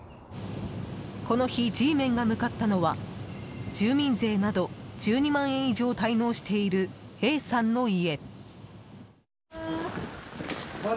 この日、Ｇメンが向かったのは住民税など１２万円以上滞納しているＡさんの家。